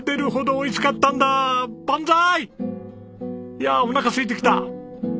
いやおなかすいてきた。